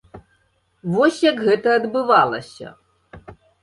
Вось як гэта адбывалася.